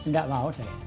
nggak mau saya